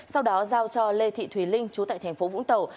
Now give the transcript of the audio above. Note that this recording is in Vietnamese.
sau đó giao cho lê thị thùy linh chú tại tp vũng tàu